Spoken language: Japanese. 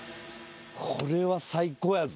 これは最高やぞ。